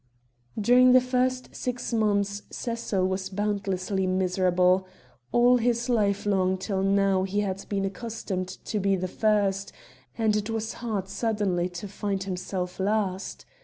During the first six months Cecil was boundlessly miserable. All his life long till now he had been accustomed to be first; and it was hard suddenly to find himself last.